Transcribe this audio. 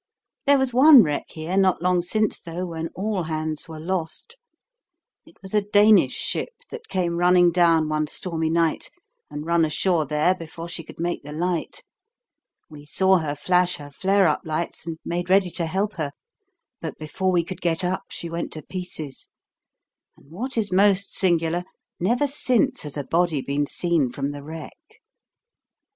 There was one wreck here not long since, though, when all hands were lost. It was a Danish ship that came running down one stormy night, and run ashore there before she could make the light. We saw her flash her flare up lights, and made ready to help her, but before we could get up she went to pieces, and what is most singular, never since has a body been seen from the wreck.